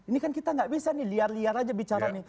ini kan kita nggak bisa nih liar liar aja bicara nih